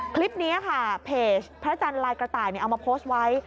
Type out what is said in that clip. คลิปนี้ค่ะเพจพระจันทร์ลายกระต่ายเอามาโพสต์ไว้